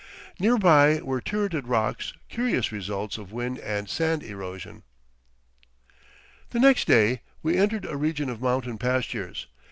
Near by were turreted rocks, curious results of wind and sand erosion. The next day we entered a region of mountain pastures.